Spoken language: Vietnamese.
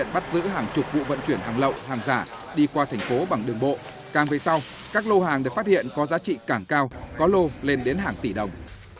bắt giữ hàng chục vụ vận chuyển hàng lậu hàng giả đi qua thành phố bằng đường bộ càng về sau các lô hàng được phát hiện có giá trị càng cao có lô lên đến hàng tỷ đồng